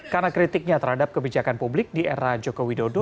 karena kritiknya terhadap kebijakan publik di era jokowi dodo